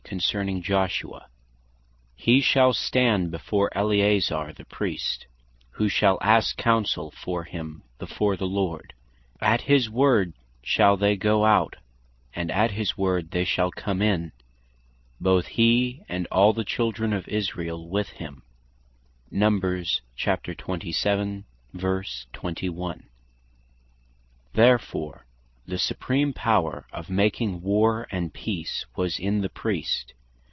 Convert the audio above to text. concerning Joshua; "He shall stand before Eleazar the Priest, who shall ask counsell for him, before the Lord, at his word shall they goe out, and at his word they shall come in, both he, and all the Children of Israel with him:" Therefore the Supreme Power of making War and Peace, was in the Priest.